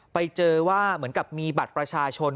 ไปเจอว่าเหมือนกับมีบัตรประชาชน